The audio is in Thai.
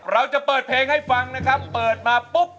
เราจะเปิดเพลงให้ฟังนะครับเปิดมาปุ๊บ